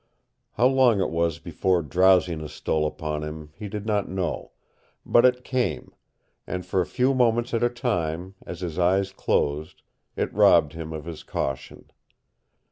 How long it was before drowsiness stole upon him he did not know, but it came, and for a few moments at a time, as his eyes closed, it robbed him of his caution.